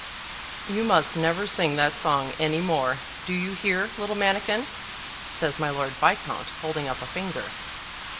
"You must never sing that song any more: do you hear, little mannikin?" says my Lord Viscount, holding up a finger.